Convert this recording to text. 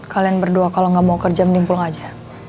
kalian berdua kalau nggak mau kerja mending pulang aja